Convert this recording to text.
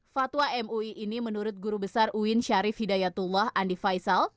fatwa mui ini menurut guru besar uin syarif hidayatullah andi faisal